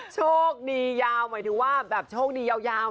โชคดียาวหมายถึงว่าแบบโชคดียาว